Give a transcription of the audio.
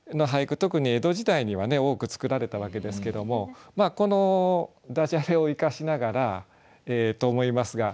特に江戸時代には多く作られたわけですけどもこのダジャレを生かしながらと思いますが。